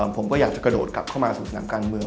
ผมก็อยากจะกระโดดกลับเข้ามาสู่นักการเมือง